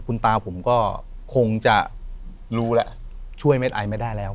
คุณตาผมก็คงจะรู้แหละช่วยไม่ได้แล้ว